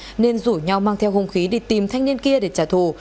các đối tượng đều rủi nhau mang theo hung khí để tìm thanh niên kia để trả thù